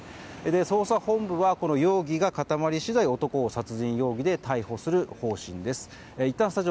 捜査本部は容疑が固まり次第男を殺人容疑で逮捕する方針です。